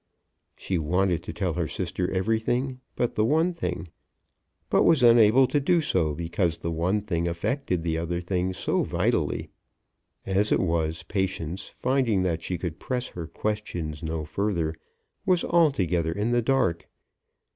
She wanted to tell her sister everything but the one thing, but was unable to do so because the one thing affected the other things so vitally. As it was, Patience, finding that she could press her questions no further, was altogether in the dark.